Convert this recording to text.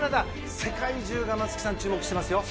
世界中が松木さん、注目していますよ。